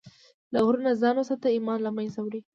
له غرور نه ځان وساته، ایمان له منځه وړي.